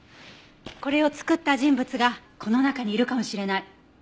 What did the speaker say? これを作った人物がこの中にいるかもしれない。